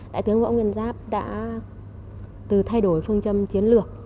đại tướng võ nguyên giáp đã từ thay đổi phương châm chiến lược